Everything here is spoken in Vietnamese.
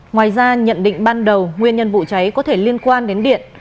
ngoài ra nhận định ban đầu nguyên nhân vụ cháy có thể liên quan đến điện